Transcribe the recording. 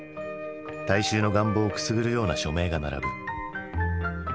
大衆の願望をくすぐるような書名が並ぶ。